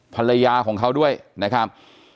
ภรรยาของเขาด้วยนะครับ